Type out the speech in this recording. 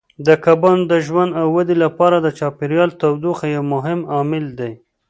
د کبانو د ژوند او ودې لپاره د چاپیریال تودوخه یو مهم عامل دی.